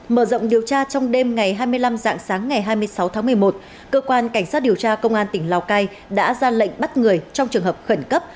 mở rộng điều tra trong đêm ngày hai mươi năm dạng sáng ngày hai mươi sáu tháng một mươi một cơ quan cảnh sát điều tra công an tỉnh lào cai đã ra lệnh bắt người trong trường hợp khẩn cấp